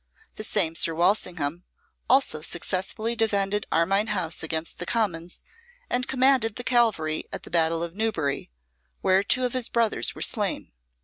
The same Sir Walsingham also successfully defended Armine House against the Commons, and commanded the cavalry at the battle of Newbury, where two of his brothers were slain.